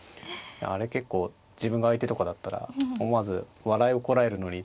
あれ結構自分が相手とかだったら思わず笑いをこらえるのに。